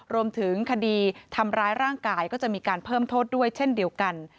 รวมถึงคดีทำร้ายร่างกายก็จะมีการเพิ่มโทษด้วยเช่นเดียวกัน